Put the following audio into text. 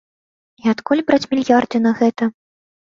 І адкуль браць мільярды на гэта.